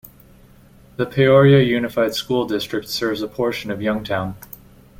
The Peoria Unified School District serves a portion of Youngtown.